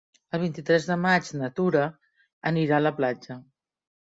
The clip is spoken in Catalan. El vint-i-tres de maig na Tura anirà a la platja.